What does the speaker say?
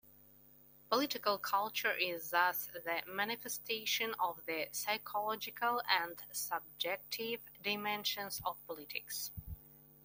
Political culture is thus the manifestation of the psychological and subjective dimensions of politics.